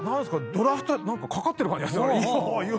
ドラフトかかってる感じ。